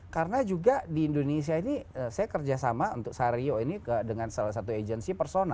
karena juga di indonesia ini saya kerja sama untuk sario ini dengan salah satu agency persona